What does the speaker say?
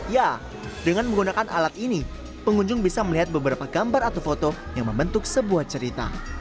ya dengan menggunakan alat ini pengunjung bisa melihat beberapa gambar atau foto yang membentuk sebuah cerita